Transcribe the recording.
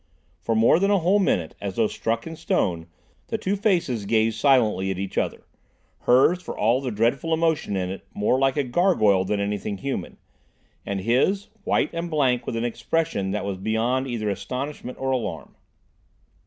For more than a whole minute, as though struck in stone, the two faces gazed silently at each other: hers, for all the dreadful emotion in it, more like a gargoyle than anything human; and his, white and blank with an expression that was beyond either astonishment or alarm.